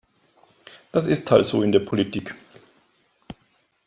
Das ist halt so in der Politik.